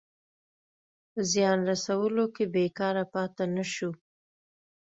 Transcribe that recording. په زیان رسولو کې بېکاره پاته نه شو.